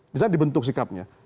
bisa dibentuk sikapnya